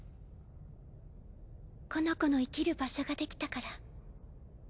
この子の生きる場所ができたから。